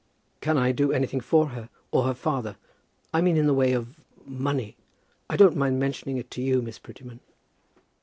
"Can I do anything for her, or for her father; I mean in the way of money? I don't mind mentioning it to you, Miss Prettyman."